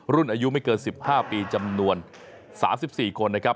รุ่นอายุไม่เกิน๑๕ปีจำนวน๓๔คนนะครับ